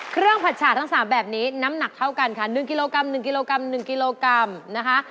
เครื่องผัดชาทั้งสามแบบนี้น้ำหนักเท่ากันค่ะ๑กิโลกรัมนะคะ